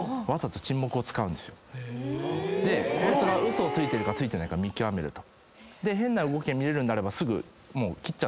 こいつがウソをついてるかついてないか見極めると。